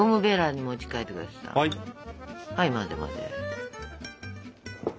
はい混ぜ混ぜ。